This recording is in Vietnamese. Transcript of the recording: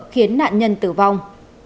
khiến nạn nhân tử vong